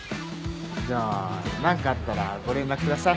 じゃあ何かあったらご連絡ください。